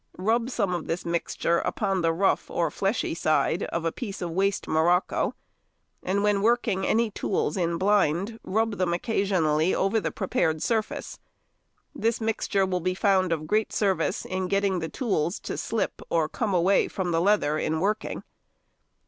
Rub some of this mixture upon the rough or fleshy side of a piece of waste morocco, and when working any tools in blind, rub them occasionally over the prepared surface. This mixture will be found of great service in getting the tools to slip or come away from the leather in working.